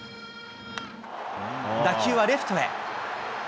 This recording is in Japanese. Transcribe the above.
打球はレフトへ。